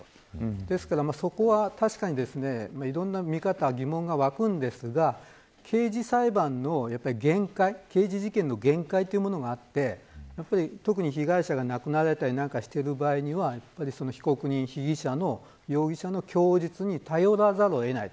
ですからそこは、確かにいろんな見方疑問が湧くんですが刑事裁判の限界刑事事件の限界というものがあって特に被害者が亡くなられたりしている場合には被告人、被疑者の、容疑者の供述に頼らざるを得ない。